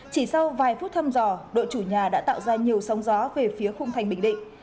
chỉ sau vài phút thăm dò đội chủ nhà đã tạo ra nhiều sóng gió về phía khung thành bình định